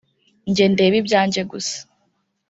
« Njye ndeba ibyanjye gusa